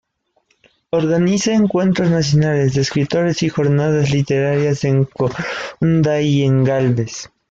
Organiza encuentros nacionales de escritores y jornadas literarias en Coronda y en Gálvez.